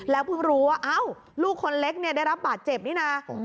เพิ่งรู้ว่าลูกคนเล็กเนี่ยได้รับบาดเจ็บนี่นะ